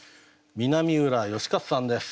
南浦義勝さんです。